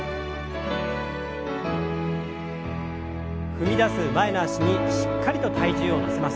踏み出す前の脚にしっかりと体重を乗せます。